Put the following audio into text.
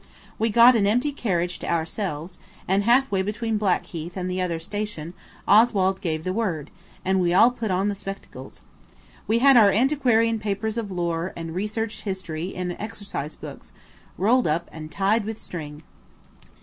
We got an empty carriage to ourselves, and halfway between Blackheath and the other station Oswald gave the word, and we all put on the spectacles. We had our antiquarian papers of lore and researched history in exercise books, rolled up and tied with string.